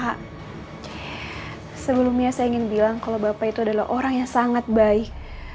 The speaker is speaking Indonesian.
pak sebelumnya saya ingin bilang kalau bapak itu adalah orang yang sangat baik